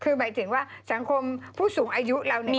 คือหมายถึงว่าสังคมผู้สูงอายุ